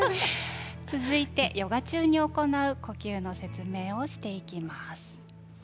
ヨガ中に行う呼吸の説明をしていきます。